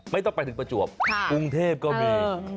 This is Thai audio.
ไม่ต้องไปถึงประจวบกรุงเทพก็มี